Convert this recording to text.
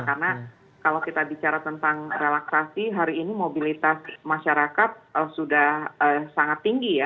karena kalau kita bicara tentang relaksasi hari ini mobilitas masyarakat sudah sangat tinggi ya